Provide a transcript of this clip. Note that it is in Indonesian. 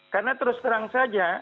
karena terus terang saja